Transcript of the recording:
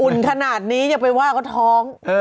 อุ่นขนาดนี้อย่าไปว่าก็ท้อง